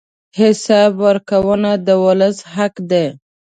حساب ورکونه د ولس حق دی.